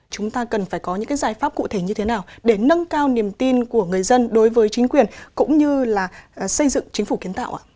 chúng ta cần phải có những giải pháp cụ thể như thế nào để nâng cao niềm tin của người dân đối với chính quyền cũng như là xây dựng chính phủ kiến tạo ạ